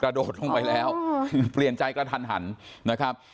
โดดลงไปแล้วเปลี่ยนใจกระทันหันนะครับ